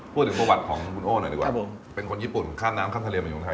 พูดถึงประวัติของคุณโอ้หน่อยดีกว่าครับผมเป็นคนญี่ปุ่นข้ามน้ำข้ามทะเลมาอยู่ไทย